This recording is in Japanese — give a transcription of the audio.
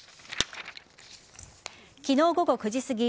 昨日午後９時すぎ